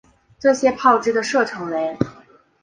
这些炮支的射程为。